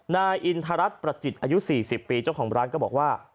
นายอินทรัศนประจิตอายุ๔๐ปีเจ้าของร้านก็บอกว่า